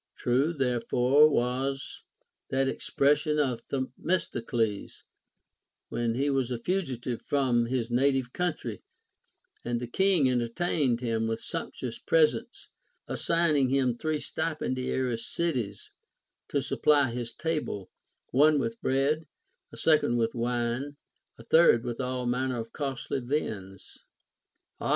True therefore was that expression of Themistocles, when he was a fugitive from his native country, and the king enter tained him Avith sumptuous presents, assigning him three stipendiary cities to supply his table, one with bread, a second with wine, a third with all manner of costly viands ; Ah